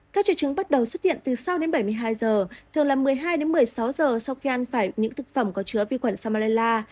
các triệu chứng bắt đầu xuất hiện từ sau đến bảy mươi hai giờ thường là một mươi hai đến một mươi sáu giờ sau khi ăn phải những thực phẩm có chứa vi khuẩn salmalella